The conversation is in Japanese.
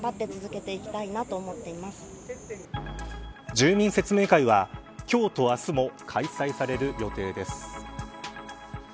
住民説明会は、今日と明日も開催される予定です。